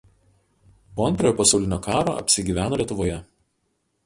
Po Antrojo pasaulinio karo apsigyveno Lietuvoje.